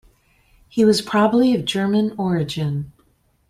He was probably of German origin.